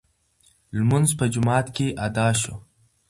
لمونځ په جومات کې ادا شو.